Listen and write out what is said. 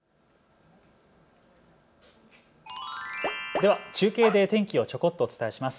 では中継で天気をちょこっとお伝えします。